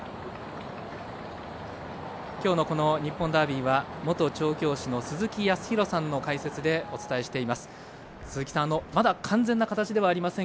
きょうの日本ダービーは元調教師の鈴木康弘さんの解説でお伝えしております。